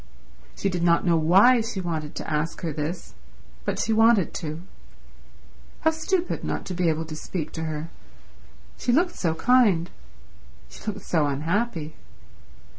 She did not know why she wanted to ask her this, but she wanted to. How stupid not to be able to speak to her. She looked so kind. She looked so unhappy.